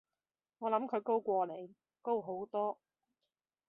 我諗佢高過你，高好多